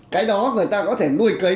cái đó người ta có thể nuôi cấy